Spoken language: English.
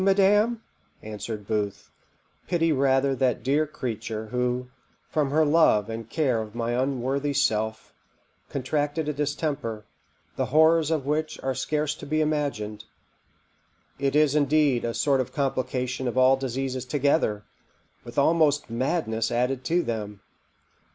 madam," answered Booth; "pity rather that dear creature who, from her love and care of my unworthy self, contracted a distemper, the horrors of which are scarce to be imagined. It is, indeed, a sort of complication of all diseases together, with almost madness added to them.